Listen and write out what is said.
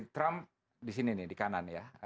trump disini nih di kanan ya